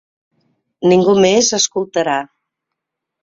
Ningú més escoltarà.